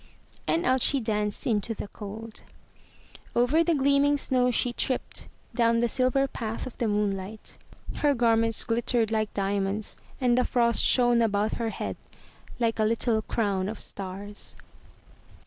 And out she danced into the cold. Over the gleaming snow she tripped, down the silver path of the moonlight. Her garments glittered like diamonds, and the frost shone about her head like a little crown of stars.